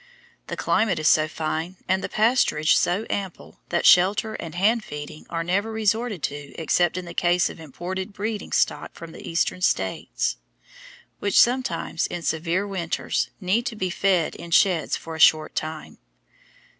The climate is so fine and the pasturage so ample that shelter and hand feeding are never resorted to except in the case of imported breeding stock from the Eastern States, which sometimes in severe winters need to be fed in sheds for a short time.